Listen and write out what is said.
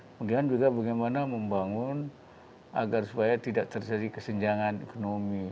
kemudian juga bagaimana membangun agar supaya tidak terjadi kesenjangan ekonomi